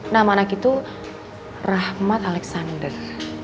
nama anak itu rahmat alexander